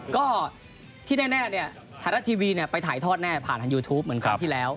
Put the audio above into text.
ก็ที่แน่เนี่ยไทยรัฐทีวีไปถ่ายทอดแน่ผ่านทางยูทูปเหมือนครั้งที่แล้ว